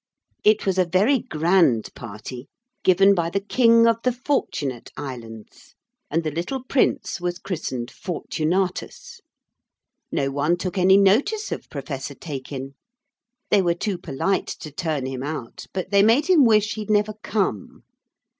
It was a very grand party given by the King of the Fortunate Islands, and the little prince was christened Fortunatus. No one took any notice of Professor Taykin. They were too polite to turn him out, but they made him wish he'd never come.